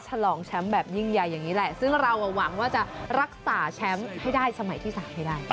ฉลองแชมป์แบบยิ่งใหญ่อย่างนี้แหละซึ่งเราหวังว่าจะรักษาแชมป์ให้ได้สมัยที่๓ให้ได้